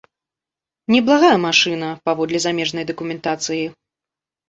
Неблагая машына, паводле замежнай дакументацыі.